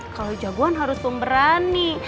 kalau jagoan harus pemberani